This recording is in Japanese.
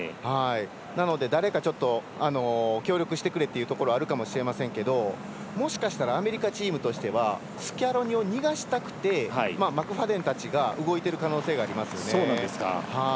なので、誰か協力してくれってところはあるかもしれませんけどもしかしたらアメリカチームとしたらスキャローニを逃がしたくて動いている可能性がありますね。